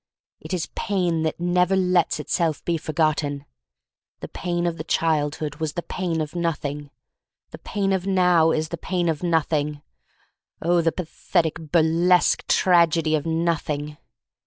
It is pain that never lets itself be forgotten. The pain of the childhood was the pain of Nothing. The pain of now is the pain of Nothing. Oh, the pathetic bur lesque tragedy of Nothing!